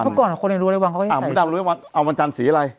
เพราะก่อนคนอื่นดูในวังเขาไม่ใส่เสื้อเอาวันจันทร์สีอะไร